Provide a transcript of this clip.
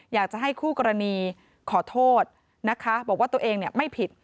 อยากจะให้คู่กรณีขอโทษนะคะบอกว่าตัวเองไม่ผิด